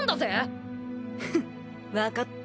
フッ分かった。